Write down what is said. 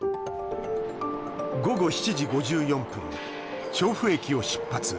午後７時５４分調布駅を出発。